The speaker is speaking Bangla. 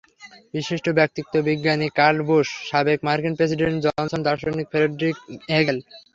বিশিষ্ট ব্যক্তিত্ব—বিজ্ঞানী কার্ল বুশ, সাবেক মার্কিন প্রেসিডেন্ট জনসন, দার্শনিক ফ্রেডরিক হেগেল।